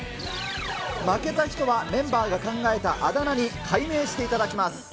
負けた人はメンバーが考えたあだ名に改名していただきます。